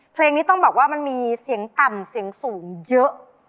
เพลงนี้ต้องบอกว่ามันมีเสียงต่ำเสียงสูงเยอะ